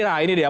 nah ini dia